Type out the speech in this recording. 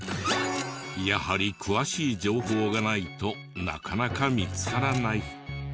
やはり詳しい情報がないとなかなか見つからない。